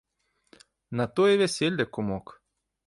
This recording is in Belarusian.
На тое вяселле, кумок.